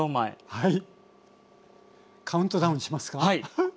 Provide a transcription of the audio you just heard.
はい。